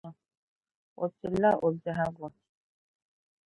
O pilila o biɛhigu.